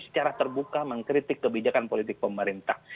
secara terbuka mengkritik kebijakan politik pemerintah